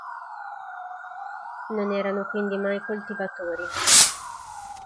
Non erano quindi mai coltivatori.